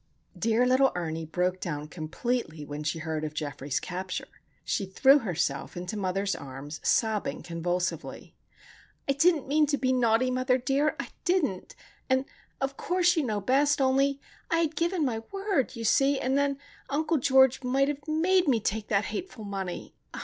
Dear little Ernie broke down completely when she heard of Geoffrey's capture. She threw herself into mother's arms, sobbing convulsively:— "I didn't mean to be naughty, mother dear! I didn't! And, of course, you know best—only I had given my word, you see, and then Uncle George might have made me take that hateful money!